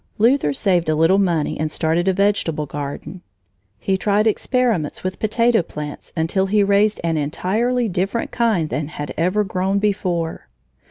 Luther saved a little money and started a vegetable garden. He tried experiments with the potato plants until he raised an entirely different kind than had ever grown before.